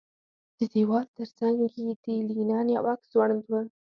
د دېوال ترڅنګ یې د لینن یو عکس ځوړند و